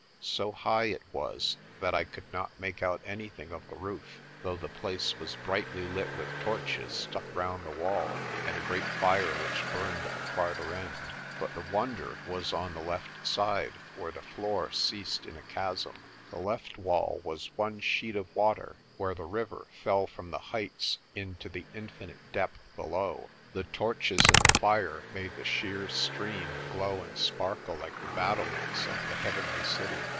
So high it was that I could 132 PRESTER JOHN not make out anything of the roof, though the place was brightly lit with torches stuck round the wall and a great fire which burned at the farther end. But the wonder was on the left side, where the floor ceased in a chasm. The left wall was one sheet of water, where the river fell from the heights into the infinite depth below. The torches and the fire made the sheer stream glow and sparkle like the battle ments of the Heavenly City.